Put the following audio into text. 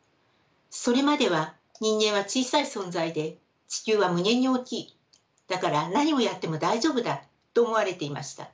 それまでは人間は小さい存在で地球は無限に大きいだから何をやっても大丈夫だと思われていました。